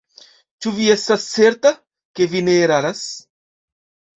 Ĉu vi estas certa, ke vi ne eraras?